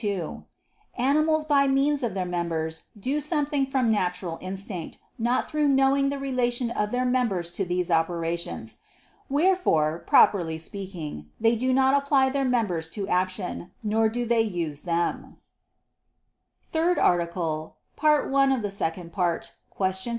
2: Animals by means of their members do something from natural instinct; not through knowing the relation of their members to these operations. Wherefore, properly speaking, they do not apply their members to action, nor do they use them. ________________________ THIRD ARTICLE [I II, Q.